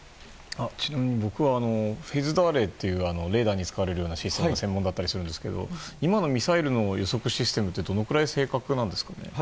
ちなみに僕はフェーズドアレイというレーダーに使われるシステムの専門だったりしますが今のミサイルの予測システムってどのくらい正確なんですかね。